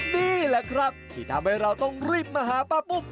นี่แหละครับที่ทำให้เราต้องรีบมาหาป้าปุ้ม